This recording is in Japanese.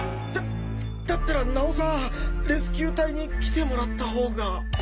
だだったらなおさらレスキュー隊に来てもらったほうが。